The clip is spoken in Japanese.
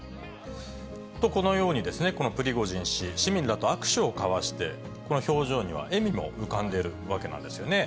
と、このように、このプリゴジン氏、市民らと握手を交わして、この表情には笑みも浮かんでいるわけなんですよね。